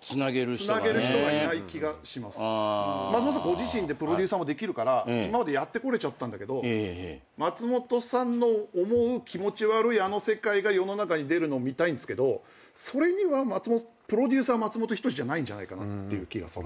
ご自身でプロデューサーもできるから今までやってこれちゃったんだけど松本さんの思う気持ち悪いあの世界が世の中に出るのを見たいんですけどそれにはプロデューサー松本人志じゃないんじゃないかなっていう気がする。